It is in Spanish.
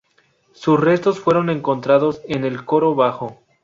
Sus restos fueron encontrados en el coro bajo.